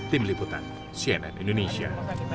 tim liputan cnn indonesia